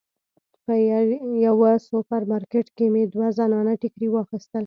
په یوه سوپر مارکیټ کې مې دوه زنانه ټیکري واخیستل.